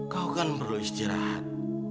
kau kan perlu istirahat